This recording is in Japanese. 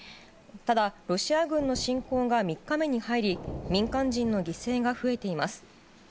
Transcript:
ただ、ロシア軍の侵攻が３日目に入り民間人の犠牲が増えています。